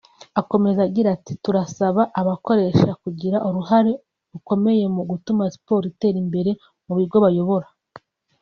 Akomeza agira ati “Turasaba abakoresha kugira uruhare rukomeye mu gutuma siporo itera imbere mu bigo bayobora